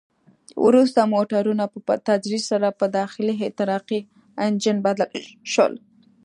وروسته موټرونه په تدریج سره په داخلي احتراقي انجن بدل شول.